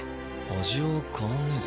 味は変わんねぇぞ。